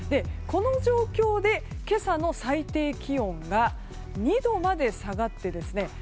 この状況で今朝の最低気温が２度まで下がってですね